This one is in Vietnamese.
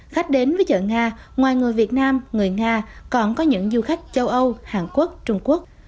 khách đến với chợ nga ngoài người việt nam người nga còn có những du khách châu âu hàn quốc trung quốc